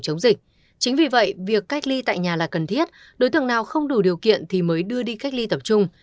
chống dịch chính vì vậy việc cách ly tại nhà là cần thiết đối tượng nào không đủ điều kiện thì mới đưa đi cách ly tập trung